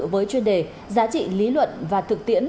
với chuyên đề giá trị lý luận và thực tiễn